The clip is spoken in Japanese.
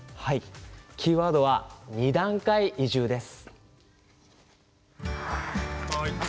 キーワードは二段階移住です。